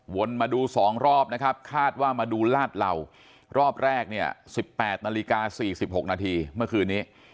วนมาดู๒รอบนะครับคาดว่ามาดูลาดเหล่ารอบแรก๑๘น๔๖นเมื่อคืนนี้